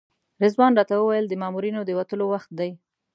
رضوان راته وویل د مامورینو د وتلو وخت دی.